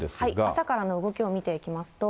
朝からの動きを見ていきますと。